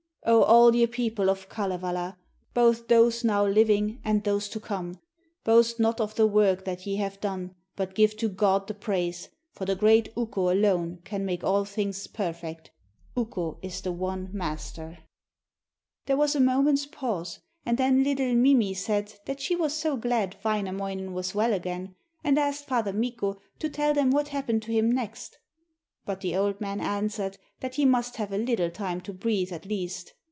O all ye people of Kalevala, both those now living and those to come, boast not of the work that ye have done but give to God the praise, for the great Ukko alone can make all things perfect, Ukko is the one master!' There was a moment's pause, and then little Mimi said that she was so glad Wainamoinen was well again, and asked Father Mikko to tell them what happened to him next. But the old man answered that he must have a little time to breathe at least.